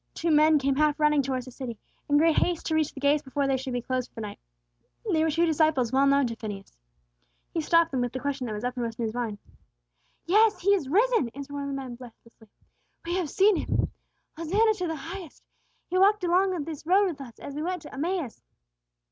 Two men came half running towards the city, in great haste to reach the gates before they should be closed for the night. They were two disciples well known to Phineas. He stopped them with the question that was uppermost in his mind. "Yes, He is risen," answered one of the men, breathlessly. "We have seen Him. Hosanna to the Highest! He walked along this road with us as we went to Emmaus."